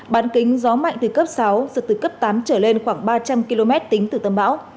bán kính gió mạnh từ cấp sáu giật từ cấp tám trở lên khoảng ba trăm linh km tính từ tâm bão